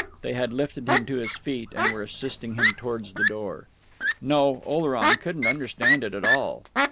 They had lifted him to his feet, and were assisting him towards the door.... No, Oleron couldn't understand it at all.